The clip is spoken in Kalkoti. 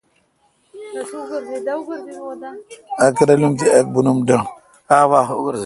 اک رالم تہ اک بونم ڈنڈ۔